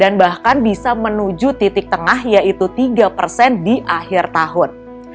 dan bahkan bisa menuju titik tengah yaitu tiga di akhir tahun